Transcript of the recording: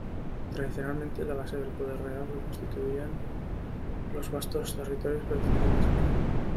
Tradicionalmente, la base del poder real lo constituían los vastos territorios pertenecientes al rey.